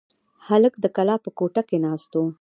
هلک د کلا په کوټه کې ناست و.